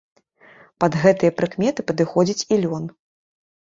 Пад гэтыя прыкметы падыходзіць і лён.